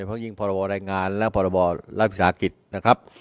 เพราะยิ่งพรงและพรรศิษย์ศาสตร์กิจนะครับ